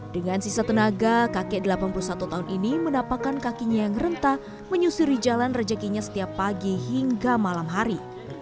dengan sisa tenaga kakek delapan puluh satu tahun ini menapakkan kakinya yang rentah menyusuri jalan rejekinya setiap pagi hingga malam hari